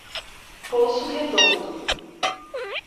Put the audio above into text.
Poço Redondo